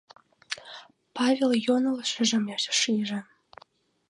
— Павел йоҥылышыжым шиже.